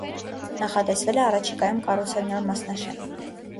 Նախատեսվել է առաջիկայում կառռուցել նոր մասնաշենք։